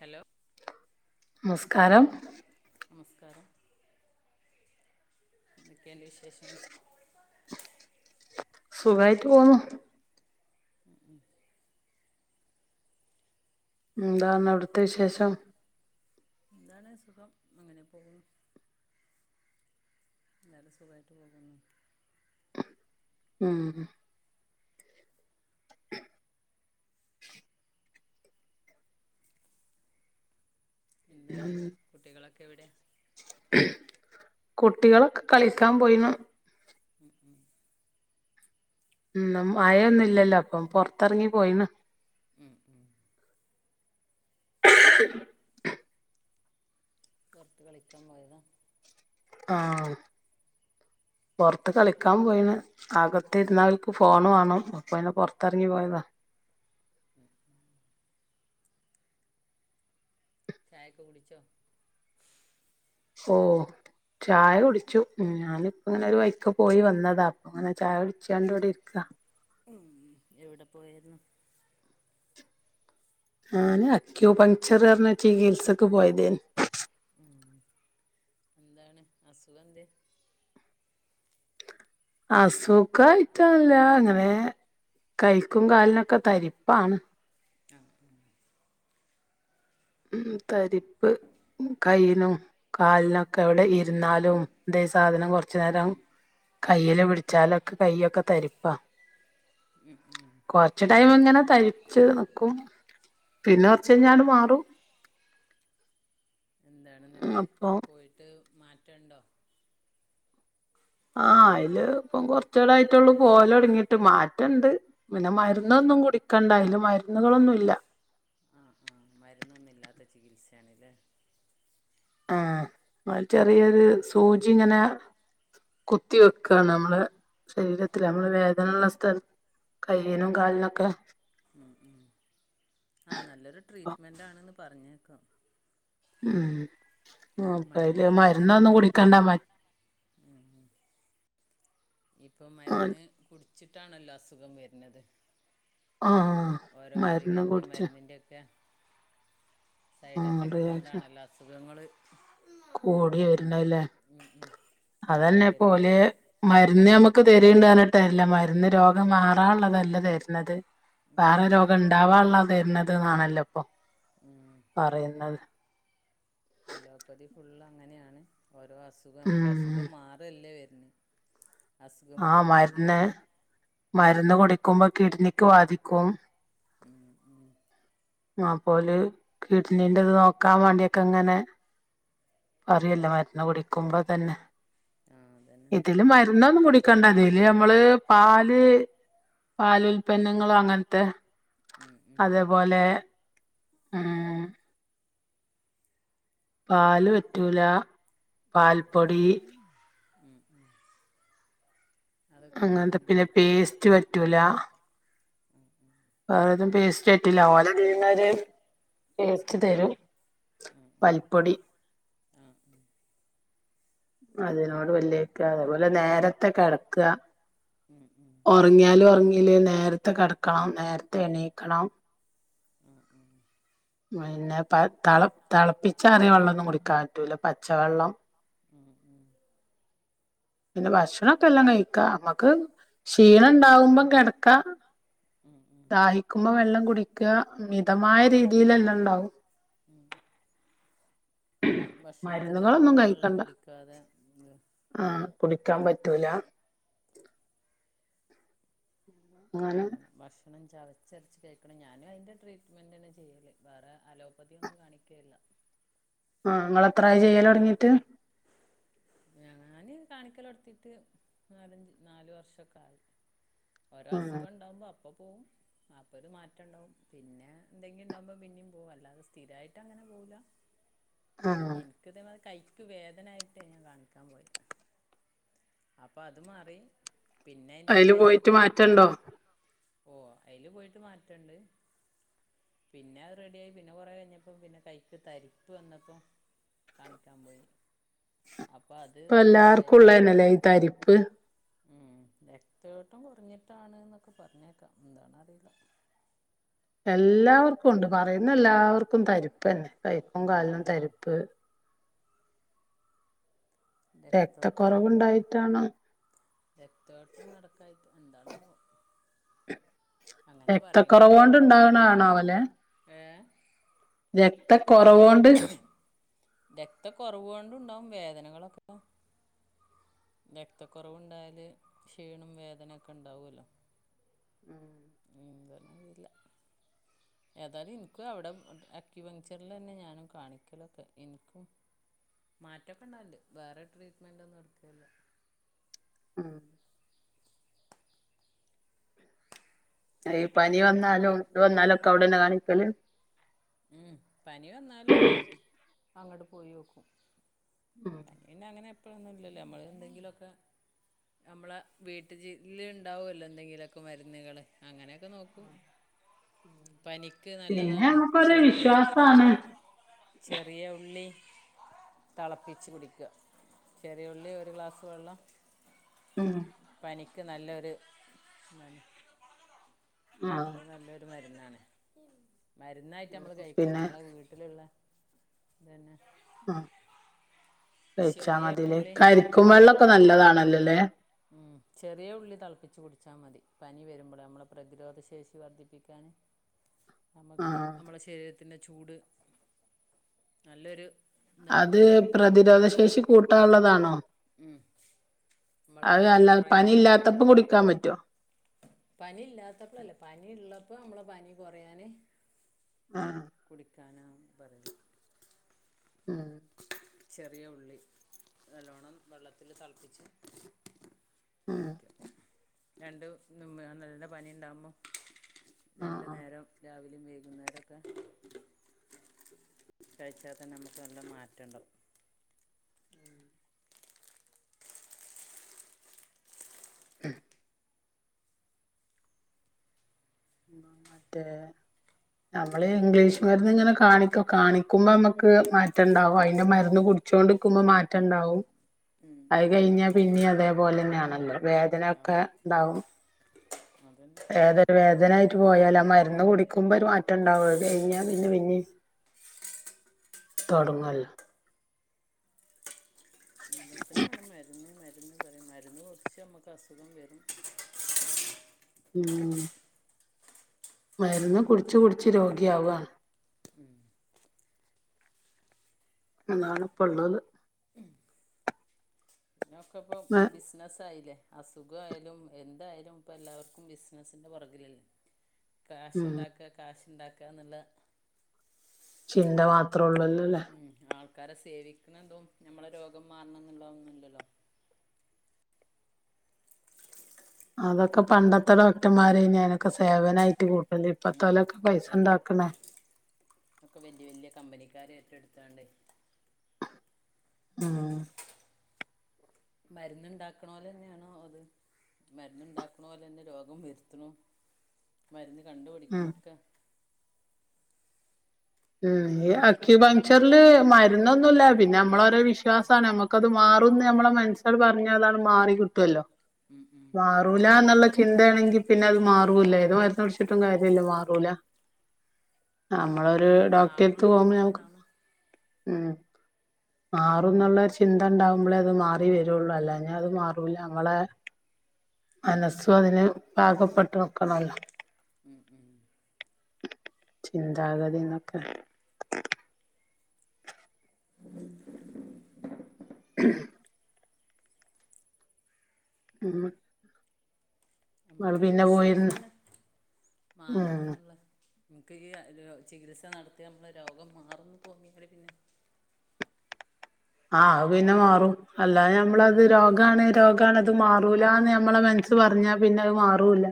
Hello നമസ്കാരം നമസ്കാരം എന്തോക്കെ വിശേഷങ്ങൾ സുഖമായിട്ട് പോന്നു ഉം ഉ എന്താണ് അവിടുത്തെ വിശേഷം എന്താണ് സുഖം അങ്ങനെ പോകുന്നു എല്ലാരും സുഖമായിട്ട് പോകുന്നു ആഹ എന്താണ് കുട്ടികളൊക്കെ എവിടെ കുട്ടികളൊക്കെ കളിക്കാൻ പോയിന മം ഉ മ് ന്ന് മഴ യൊന്നുല്ലല്ലോ അപ്പൊ പൊറത്തിറങ്ങി പോയീണ് [inaudible] [inaudible] പൊറത്ത് കളിക്കാൻ പോയതാ ആഹ് പൊറത്ത് കളിക്കാൻ പോയിണ് അകത്തിരുന്നാ ഓൽക്ക് ഫോൺ വേണം അപ്പൊ അയ്‌ന് പൊറത്തെറങ്ങി പോയതാ പോയതാ [inaudible] ചായൊക്കെ കുടിച്ചോ ഓ ചായ കുടിച്ചു ഞാനിപ്പങ്ങനൊരു വൈക്ക പോയി വന്നതാ അപ്പൊങ്ങന ചായ കുടിച്ചാണ്ട് ഇവിടെ ഇരിക്കാ എവിടെ പോയാരുന്നു ഞാൻ അക്യൂപങ്ചർ പറഞ്ഞ ചികിത്സക്ക് പോയതേന് മ് എന്താണ് അസുഖന്തെ [unintelligible] അസുഖായിറ്റല്ല ങ്ങനേ കയ്‌ക്കും കാലിനൊക്കെ തരിപ്പാണ് [inaudible] [inaudible] തരിപ്പ് കൈനും കാലിനൊക്കെ [inaudible] ന്നാലും ന്തേം സാധനം കുറചച്ച് നേരം കയ്യിൽ പിടി വച്ചാലൊക്കെ കൈ്യൊക്കെ തരിപ്പാ കൊറച്ച് ടൈം ഇങ്ങനെ തരിച്ച് ന്ക്കും പിന്നെ കുറച്ച് കയിഞ്ഞ ആട്ട്മാറും എന്താണെന്നിട്ട് അപ്പൊ പോയിട്ടിപ്പോ മാറ്റണ്ടോ [unintelligible] ആഹ് അയ്ല് ഇപ്പം കൊറചാലയിട്ടുള്ളു പോകൽ തൊടങ്ങിട്ട് മാറ്റണ്ട് പിന്നെ മര്ന്നൊന്നും കുടിക്കണ്ട അയില് മര്ന്നുകളൊന്നുല്ല ആഹ് ആഹ് മരുന്നൊന്നുല്ലാത്ത ചികിത്സയാണ് ലേ ആഹ് ചെറിയൊരു സൂചിങ്ങനെ കുത്തി വെക്കാ നമ്മളെ ശരീരത്തില് നമ്മളെ വേദന ഇള്ളെ സ്ഥല കയ്യിനും കാലിനൊക്കെ ആഹ് നല്ലൊരു ട്രീറ്റ്മെന്റ് ആണ് പറഞ്ഞ് കേക്കാം മ് അപ്പയ്ല് മരുന്നില്ലാതെ തന്നെ മരുന്നൊന്നും ഇപ്പം കുടിക്കണ്ട മ ഇപ്പം മര്ന്ന് ച്ചിട്ടാണല്ലോ അസുഖം വെരുന്നത് ആഹ് മരുന്ന് കുടിച്ച് മരുന്നിൻ്റെയൊക്കെ സൈഡ് ആഹ് എഫക്റ്റ് റിയാക്ഷൻ കൊണ്ടാണല്ലോ അസുഖങ്ങള് കൂടി വെര്ണെല്ലേ കൂടി വരുന്നത് അതന്നെപ്പോല് മരുന്ന്മ്മ ക്ക് തര്ണ്ട് റഞ്ഞ്ട്ടല്ല മര്ന്ന് രോഗം മാറാള്ളതല്ല തെര്ണത് വേറ രോഗം ണ്ടാവാള്ള തര്ണത് നാണല്ലപ്പൊ അലോപ്പതി ഫുള്ളാ ഓരോ അസുഖം നമ്ക്ക് ഉം അസുഖം മാറ്അല്ലേ അസുഖം ആഹ് കൂടിക്കൂടി മരുന്ന് വരും മരുന്ന് കുടിക്കുമ്പോ കിഡ്ണിക്ക് ബാധിക്കും ഉം, ഉം. ന്നാപോല് കിഡ്നീന്റെ ഇത് നോക്കാൻ വേണ്ടിയൊക്കെ ഇങ്ങനെ പറയല്ലോ മരുന്ന് കുടിക്കുമ്പോ തന്നെ ആ അതന്നെ ഇതില് മരുന്ന് ഒന്നും കുടിക്കണ്ട തില് നമ്മള് പാൽ ല് പാല് ഉൽപന്നങ്ങളോ അങ്ങനത്തെ ഉം, ഉം, അതേപോലെ ആഹ് പാല് പറ്റൂല പാൽപ്പൊടി ഉം, ഉം. അതൊക്കെ അങ്ങനത്തെ നേ- പിന്നെ പേസ്റ്റ് പറ്റൂല വേറെതും പേസ്റ്റ് പറ്റില്ല ഓലതീന്നൊരു പേസ്റ്റ് തരും ഉം, ഉം. പൽപ്പൊടി ആ, ഉം. അതിനോട് പല്ലേക്ക അതേപോലെ നേരത്തെ കെടക്ക ഉം, ഉം. ഉറങ്ങിയാലും ഉറങ്ങില്ലേലും നേരത്തെ കെട ക്കണം നേരത്തെണീക്കണം മ് മ് പിന്നെ പ ത തെ തെളപ്പിച്ചാറിയ വള്ളാന്നും കുടിക്കാൻ പറ്റൂല പച്ചവെള്ളം ഉം, ഉം. പിന്നെ ഭക്ഷണംക്കെ എല്ലാം കഴിക്കാ അമ്മുക്ക് ക്ഷീണം ഉണ്ടാവുമ്പം കെടക്കാം ഉം, ഉം. ദാഹിക്കുമ്പോം വെള്ളം കുടിക്ക മിതമായ രീതിയിലെല്ലാം ഇണ്ടാവും ഭക്ഷണത്തിന്റെ കൂടെ വെള്ളം കഴിക്കണ്ട കുടിക്കാതെ ക്കാൻ പറ്റൂല അങ്ങനെ ചവച്ചരച്ച് കഴിക്കണം ഞാനും അതിന്റെ ട്രീറ്റ്മെൻ്റെന്നെ ചെയ്യല് വേറെ അലോപ്പതിന്നും കാണിക്കല്ല ആ നിങ്ങളെത്ര ആയി ചെയ്യല് തൊടങ്ങിട്ട് ഞാന് കാണിക്കലൊടുത്തിട്ട് നാലഞ്ച് നാലു വർഷൊക്കെ ആയി ഓരോ ആ അസുഖണ്ടാവുമ്പോ അ അപ്പൊ പോവും അപ്പൊ ഒരു മാറ്റണ്ടാവും പിന്നെ എന്തെങ്കി ഇണ്ടാവുമ്പോ പിന്നെ പോവും അല്ലാതെ സ്ഥിരായിട്ട് അങ്ങനെ പോവുല്ല ആ എനിക്കിതേമാതിരി കൈ ക്ക് വേദനായിട്ടെ ഞാൻ കാണ ക്കാൻ പോയി അപ്പൊ അത് മാറി പിന്നെ അതിൻ്റെ ഇടയിൽ അതില് കൈക്ക് പോയിട്ട് തരിപ്പ് മാറ്റണ്ടോ ഓ അയില് പോയിട്ട് മാറ്റണ്ട് പിന്നെ അത് റെഡി ആയി പിന്നെ കുറെ കഴിഞ്ഞപ്പം പിന്നെ കൈക്ക് തരിപ്പ് വന്നപ്പോ കാണിക്കാൻ പോയി അപ്പൊ അത് ഇപ്പൊ റെഡിയായി എല്ലാർക്കുള്ളനല്ലേ ഈ തരിപ്പ് ഉം രക്തയോട്ടം കുറഞ്ഞിട്ടാണ് ന്നൊക്കെ പറഞ്ഞേക്കാം എന്താണറിയില്ല എല്ലാവർക്കും ഉണ്ട് പറയുന്ന എല്ലാവർക്കും തരിപ്പ്ന്നെ കൈക്കും ഉം കാലും ഉം തരിപ്പ് രക്ത കുറവുണ്ടായിട്ടണോ രക്കോട്ടംനടക്കായിട്ടു എന്താണവോ രക്തക്കുറവ കൊണ്ട് ഇണ്ടാവണണാവലെ ഏ രക്ത കൊറവോണ്ട് ജനങ്ങളൊക്കെ പ്പം രക്തക്കുറവുണ്ടായാല് ക്ഷീണും വേദനൊക്കെ ഇണ്ടാവുവല്ലോ ഉം എന്തന്നറിയില്ല ഏതായാലും എനിക്കും അവിടെ അക്കി പങ്ചറിൽ തന്നെ ഞാനും കാണിക്കലൊക്കെ എനിക്കും മാറ്റകെ ണ്ടവലുണ്ട് വേറെ ട്രീറ്റ്മെന്റന്നും നടത്തില്ലോ ആ പനി നല്ല വന്നാലും എന്തന്നാലുംക്കെ അവിടെന്നെ കാണിക്ക പിന്നെ ഉം പനി വന്നാലും അങ്ങോട്ട് പോയിയോക്കും ഉം പിന്നെ അങ്ങനെ ഇപ്പഴൊന്നുംല്ലല്ലോ നമ്മള് എന്തെങ്കിലുമൊക്കെ നമ്മളെ വീട്ടില് ഉണ്ടാവുമല്ലോ എന്തെങ്കിലുമൊക്കെ മരുന്നുകൾ അങ്ങനെയൊക്കെ നോക്കും പനിക്ക് നല്ലതാണ് ചെറിയ ഒരേവിശ്വാസാണ് ചെറിയ ഉള്ളി തെളപ്പിച്ച് കുടിക്കുക ചെറിയുള്ളി ഒരു ഗ്ലാസ് വെള്ളം ഉം പനിക്ക് നല്ലൊര് ആഹ് അത് നല്ലൊരു മരുന്ന തന്നെ മരുന്നായിട്ട് നമ്മള് കഴിക്കണം പിന്നെ നമ്മളെ വീട്ടിലിള്ള [inaudible] ആ കഴിച്ചാ ചെറിയ മതിലേ ഉള്ളി കരിക്കും ത വെള്ളോക്കെ നല്ലതാണല്ലോ അല്ലേ ഉം ചെറിയ ഉള്ളി തിളപ്പിച്ച് കുടിച്ചാ മതി പനി വരുമ്പള് നമ്മളെ പ്രതിരോധ ശേഷി വർദ്ധിപ്പിക്കാന് ആഹ് [inaudible] നമ്മളെ ശ് ന്റെ ചൂട് നല്ലൊര് അത് പ്രതിരോധ ശേഷി കൂട്ടാള്ളതാണോ ഉം മ്മള പനി അല്ല പനി കൊറയാനള്ള ഇല്ലാത്തപ്പോ കുടിക്കാൻ പറ്റോ പനി ഇല്ലാത്തപ്പളല്ല പനി ഇള്ള പ്പനമ്മള പനി കൊറയാന് ആഹ് കുടിക്ക് [unintelligible] ആഹ് ചെറിയ ഉള്ളി നല്ലോണം വെള്ളത്തില് തളപ്പിച്ച് ആഹ് രണ്ട് ന് മ നല്ല പനിണ്ടാവ്മ്പോ ആഹ് രണ്ടു നേരം രാവിൽ വൈകുന്നേരൊക്കെ കഴിച്ചാതന്നെ നമുക്ക് നല്ല മാറ്റ് റ്റണ്ടവും ആഹ് മറ്റേ നമ്മള് ഇംഗ്ലീഷ് മരുന്ന് ഇങ്ങനെ കാണിക്കും കാണിക്കുമ്പോ മ്മക്ക് മാറ്റംണ്ടാവും അയ്ന്റെ മരുന്ന് കുടിച്ചോണ്ടിരിക്കുമ്പോ മാറ്റണ്ടാവും ഉം അത് കഴിഞ്ഞാ പിന്നെ അതേപോലെന്നെയാണല്ലോ ആഹ് വേദനൊക്കെ ഇണ്ടാവും അതന്നെ ഏതൊരു വേദനായിട്ട് പോയാലും ആ മരുന്ന് കുടിക്കുമ്പോ ഒരു മാറ്റം ണ്ടാവും അത് കഴിഞ്ഞാ പിന്നെ പിന്നിം തൊടങ്ങുവല്ലോ എല്ലാത്തിനും ഞമ്മക്ക് അസുഖം വരും ഉം മരുന്ന് കുട്ച്ച് കുട്ച്ച് രോഗിയാവാണ്. ഉം അതാണിപ്പ ഒള്ളത് ഞൊക്കപ്പം ബിസ്നസ്സായില്ലേ. അസുഖായാലും എന്തായാലും പ്പ എല്ലാവർക്കും ബിസിനസിന്റെ പൊറകിലല്ലേ ഉം കാശ്ണ്ടാക്ക കാശ്ണ്ടാക് ക്കെ നല്ല ചിന്ത മാത്ര അത്രൊള്ളുല്ലോലെ ക്കാരെ സേവിക്ക്ണതും ഞമ്മളെ രോഗം മാറണം ന്ന്ള്ളതൊന്നുംല്ലല്ലോ അതൊക്കെ പണ്ടത്തെ ഡോക്ടർമാരെ ഞാനൊക്കെ സേവനായിട്ട് കൂ ഉം ലിപ്പത്തലക്കെ ഇപ്പൊക്കെ പൈസണ്ടാക്ക്ണേ ഒക്കെ വേല്ല്യ വേല്ല്യ കമ്പനിക്കാരേറ്റെടുത്താണ്ട് ആഹ് മര്ന്ന്ണ്ടാക്ക്ണോലെന്നെയാണ് അതും മരുന്ന്ണ്ടാക്ക്ണോലെന്നെ രോഗം വര്ത്ത്ണോം മര്ന്ന് ഉം കണ്ടുപിടിക്കണൊക്കെ ഉം ഇ എന്നെങ്കിലല്ലേ ഓലെ ക അക്യുപഞ്ചറില് മര്ന്നൊ ന്നുല്ല പിന്നമ്മളോരോ വിശ്വാസാണ് ഞമ്മക്കത് മാറുംന്ന് ഞാമ്മളെ മൻസാണ്ട് പറഞ്ഞാൽ ആണ്ട് മാറി കിട്ടുഅല്ലോ ഉം ഉം ആ മാറൂലന്നുള്ള ചിന്തേണെങ്കി പിന്നത് മാറൂല്ല ഏത് മര്ന്നുട്ച്ചിട്ടും കാര്യല്ല മാറൂല നമ്മളൊരു നമുക്ക് മാറണം ഡോക്റ്റെട്ത്ത് എന്നുള്ള പോമ്പോ ഞമ്ക്ക് ഇതുണ്ടാവണം ഉം മാറും ന്നുള്ളൊരു ചിന്ത ണ്ടാവുമ്പളേ അത് മാറി വരുള്ളു അല്ലാഞാ അത് മാറൂല മ്മളെ മനസ്സും അതിന് പാകപ്പെട്ട് നോക്കണൊല്ല ഉം ഉം ചിന്താഗതീന്നൊക്കെ ഉ [unintelligible] ഉം ഇങ്ങള് നമുക്കൊരു പിന്നെ പോയിര്ന്ന് വിശ്വാസന്നെ ഉം മാറണം എന്നുള്ള നമുക്ക് ഈ ഒര് ചികിത്സ നടത്തിയാ നമ്മളെ രോഗം മാറുംന്ന് തോന്നിയാല് പിന്നെ ആ പിന്നെ മാറും അല്ലാ ഞമ്മളത് രോഗാണ് രോഗാണ് അത് മാറൂലാന്ന് നമ്മളെ മനസ്സ് പറഞ്ഞാ പിന്നെ അത് മാറൂല്യ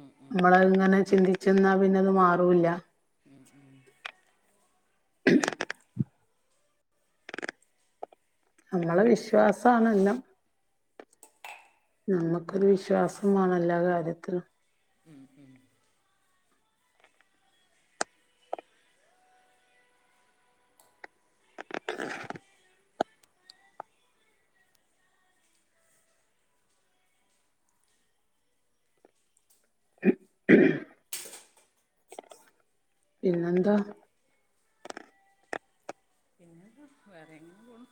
ഉം ഉം മ്മള് ഇങ്ങനെ ചിന്തി ച്ചെന്നാ പിന്നെത് മാറൂല്ല്യ ഉം ഉം [unintelligible] നമ്മളെ വിശ്വാസാണെല്ലാം നമ്മക്കൊരു വിശ്വാസം മാണം എല്ലാ കാര്യത്തിലും എ [unintelligible] പിന്നെന്താ പിന്നെന്താ വേറെ ഇങ്ങനെ പോണു